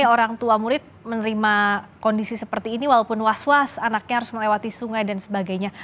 orang tua murid menerima kondisi seperti ini walaupun was was anaknya harus melewati sungai dan sebagainya